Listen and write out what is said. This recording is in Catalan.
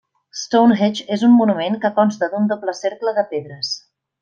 Stonehenge és un monument que consta d'un doble cercle de pedres.